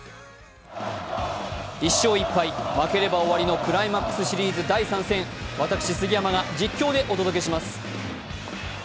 １勝１敗、負ければ終わりのクライマックスシリーズ第３戦、私、杉山が実況でお届けします。